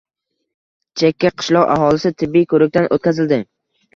Chekka qishloq aholisi tibbiy ko‘rikdan o‘tkazildi